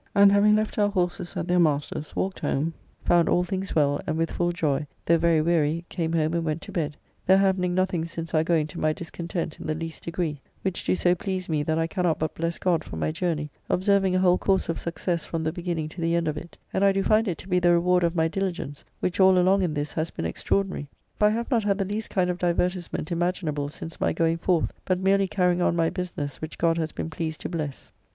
And having left our horses at their masters, walked home, found all things well, and with full joy, though very weary, came home and went to bed, there happening nothing since our going to my discontent in the least degree; which do so please me, that I cannot but bless God for my journey, observing a whole course of success from the beginning to the end of it, and I do find it to be the reward of my diligence, which all along in this has been extraordinary, for I have not had the least kind of divertisement imaginable since my going forth, but merely carrying on my business which God has been pleased to bless.